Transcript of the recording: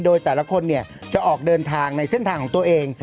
โดยแต่ละคนจะออกเดินทางในเส้นทางของตัวเอง